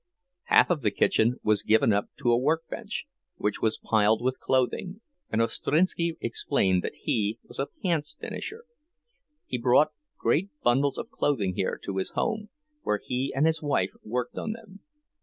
Half of the kitchen was given up to a workbench, which was piled with clothing, and Ostrinski explained that he was a "pants finisher." He brought great bundles of clothing here to his home, where he and his wife worked on them.